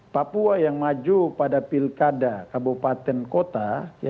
papua yang maju pada pilkada kabupaten kota